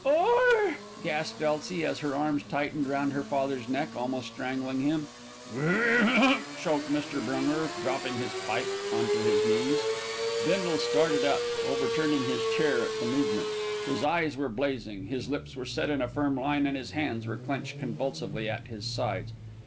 "Oo er!" gasped Elsie, as her arms tightened round her father's neck, almost strangling him. "Grrrrmp," choked Mr. Brunger, dropping his pipe on to his knees. Bindle started up, overturning his chair in the movement. His eyes were blazing, his lips were set in a firm line, and his hands were clenched convulsively at his sides.